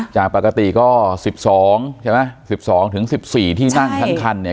จากปกติก็สิบสองใช่ไหมสิบสองถึงสิบสี่ที่นั่งทั้งคันเนี้ย